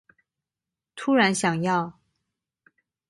突然想要